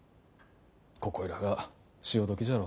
ここいらが潮時じゃろう。